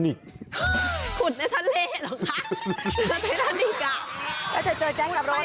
เราจะเจอแจ๊งกับโรนฮะ